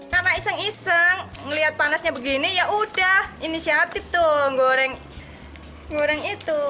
karena iseng iseng ngeliat panasnya begini yaudah inisiatif tuh goreng itu